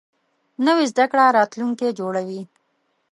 نوې زده کړه راتلونکی جوړوي